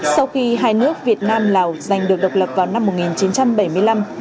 sau khi hai nước việt nam lào giành được độc lập vào năm một nghìn chín trăm bảy mươi năm